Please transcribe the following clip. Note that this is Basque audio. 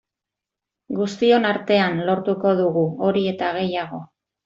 Guztion artean lortuko dugu hori eta gehiago.